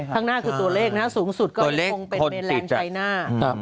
ข้างหน้าคือตัวเลขนะสูงสุดก็คงเป็นเมแลนด์ชัยหน้า